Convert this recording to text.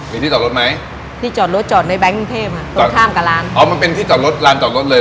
มีที่จอดรถไหมที่จอดรถจอดในแง๊งกรุงเทพอ่ะตรงข้ามกับร้านอ๋อมันเป็นที่จอดรถร้านจอดรถเลย